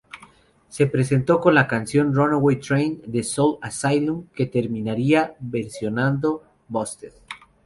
Se presentó con la canción Runaway Train, de Soul Asylum, que terminaría versionando Busted.